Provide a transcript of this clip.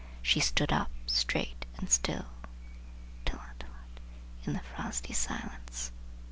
She stood up straight and still. Tlot tlot, in the frosty silence!